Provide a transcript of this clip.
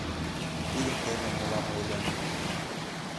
Тидым теве молан ойлем.